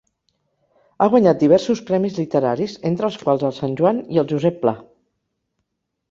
Ha guanyat diversos premis literaris, entre els quals el Sant Joan i el Josep Pla.